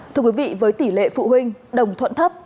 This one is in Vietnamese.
thưa quý vị với tỷ lệ phụ huynh đồng thuận thấp